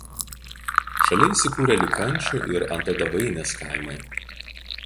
Šalia įsikūrę Likančių ir Antadavainės kaimai.